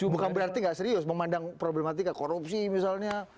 bukan berarti nggak serius memandang problematika korupsi misalnya